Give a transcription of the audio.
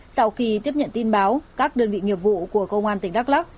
sau khi tiếp nhận tin báo các đơn vị nghiệp vụ của công an tỉnh đắk lắc